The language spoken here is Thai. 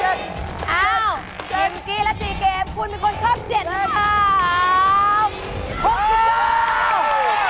อ้าวหินกี้และจีเกมคุณเป็นคนชอบ๗ครับ